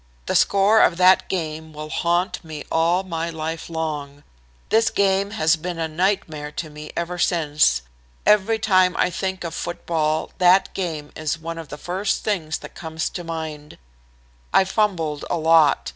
The score of that game will haunt me all my life long. This game has been a nightmare to me ever since. Every time I think of football that game is one of the first things that comes to mind. I fumbled a lot.